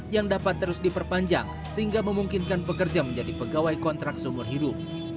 yang dapat terus diperpanjang sehingga memungkinkan pekerja menjadi pegawai kontrak seumur hidup